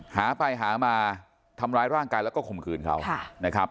หาไปหามาทำร้ายร่างกายแล้วก็ข่มขืนเขานะครับ